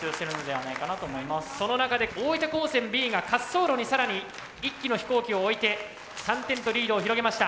その中で大分高専Ｂが滑走路に更に１機の飛行機を置いて３点とリードを広げました。